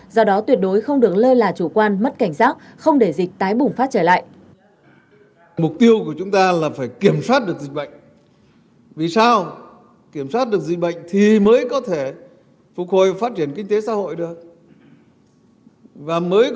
do đó tuyệt đối không được lơ là chủ quan mất cảnh giác không để dịch tái bùng phát trở lại